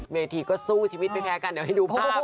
เมธีก็สู้ชีวิตไม่แพ้กันเดี๋ยวให้ดูภาพ